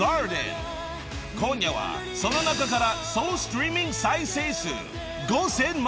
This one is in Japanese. ［今夜はその中から］